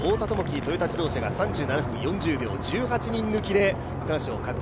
トヨタ自動車が３７分４０秒１８人抜きで区間賞を獲得。